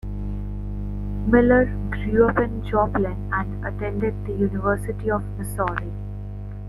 Miller grew up in Joplin and attended the University of Missouri.